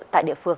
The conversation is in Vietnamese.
tại địa phương